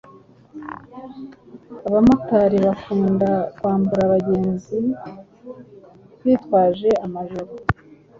Abamotari bakunda kwambura abagenzi bitwaje amajoro